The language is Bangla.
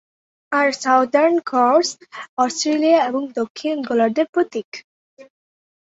আর সাউদার্ন ক্রস অস্ট্রেলিয়া এবং দক্ষিণ গোলার্ধের প্রতীক।